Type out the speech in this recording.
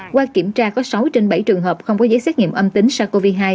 qua kiểm tra có sáu trên bảy trường hợp không có giấy xét nghiệm âm tính sars cov hai